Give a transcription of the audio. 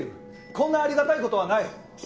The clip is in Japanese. こんなありがたい事はない。